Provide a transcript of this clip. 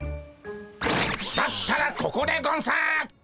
だったらここでゴンス！